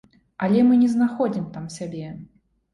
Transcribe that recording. Але мы не знаходзім там сябе.